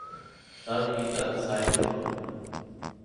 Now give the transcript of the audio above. তার পিতা সাইদুর রহমান।